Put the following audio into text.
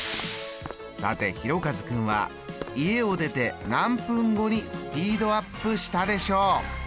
さてひろかず君は家を出て何分後にスピードアップしたでしょう」。